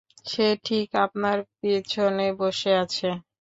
সে ঠিক আপনার পিছনে বসে আছে।